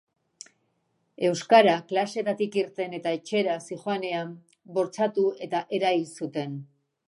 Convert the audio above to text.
Euskara klaseetatik irten eta etxera zihoanean bortxatu eta erail zuten.